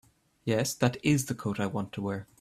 Yes, that IS the coat I want to wear.